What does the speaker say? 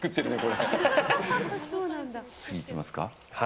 次いきますか。